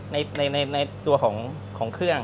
ในตัวของเครื่อง